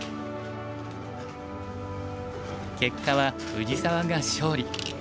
結果は藤沢が勝利。